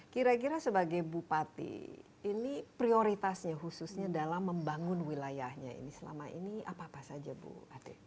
kira kira sebagai bupati ini prioritasnya khususnya dalam membangun wilayahnya ini selama ini apa apa saja bu ade